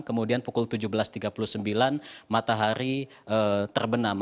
kemudian pukul tujuh belas tiga puluh sembilan matahari terbenam